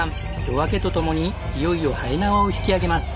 夜明けと共にいよいよはえ縄を引き揚げます。